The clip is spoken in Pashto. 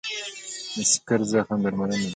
د سکېر د زخم درملنه ده.